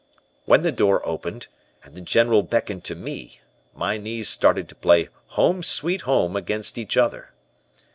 "When the door opened, and the General beckoned to me, my knees started to play Home, Sweet Home against each other.